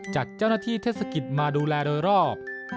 จัดเจ้าหน้าที่เทศกิจมาดูแลโดยรอบ